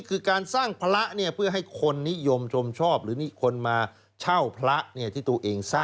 คือการสร้างพระเนี่ยเพื่อให้คนนิยมชมชอบหรือมีคนมาเช่าพระที่ตัวเองสร้าง